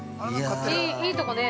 いいとこね。